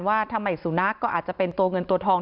ว่าทำไมสุนัขก็อาจจะเป็นตัวเงินตัวทอง